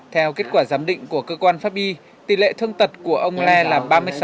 theo kết quả giám định của cơ quan pháp bi tỷ lệ thương tật của ông le là ba mươi sáu